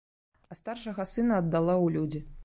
А старшага сына аддала ў людзі.